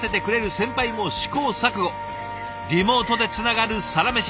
リモートでつながるサラメシ。